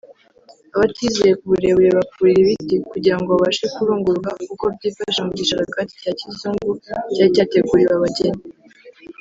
abatiyizeye ku burebure bakurira ibiti kugira ngo babashe kurunguruka uko byifashe mu gisharagati cya kizungu cyari cyateguriwe abageni